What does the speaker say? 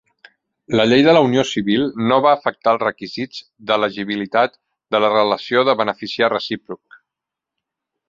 La llei de la unió civil no va afectar els requisits d'elegibilitat de la relació de beneficiar recíproc.